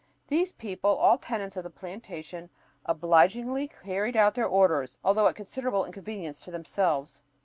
These people, all tenants of the plantation, obligingly carried out their orders, although at considerable inconvenience to themselves.